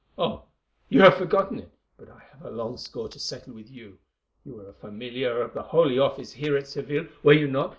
Oh! you have forgotten it, but I have a long score to settle with you. You were a familiar of the Holy Office here at Seville—were you not?